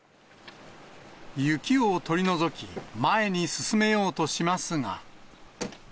雪を取り除き、前に進めようとしますが。